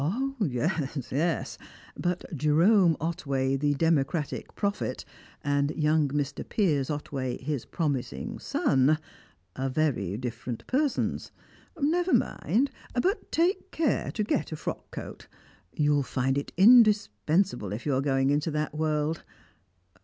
"Yes, yes; but Jerome Otway the democratic prophet and young Mr. Piers Otway his promising son, are very different persons. Never mind, but take care to get a frock coat; you'll find it indispensable if you are going into that world.